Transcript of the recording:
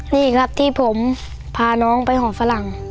นี่ครับที่ผมพาน้องไปหอฝรั่ง